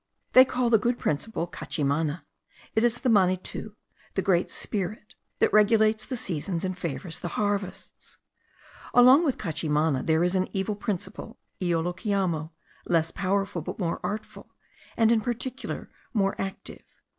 They call the good principle Cachimana; it is the Manitou, the Great Spirit, that regulates the seasons, and favours the harvests. Along with Cachimana there is an evil principle, Iolokiamo, less powerful, but more artful, and in particular more active.